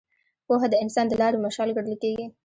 پوهه د انسان د لارې مشال ګڼل کېږي.